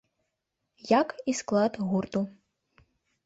Як і склад гурту.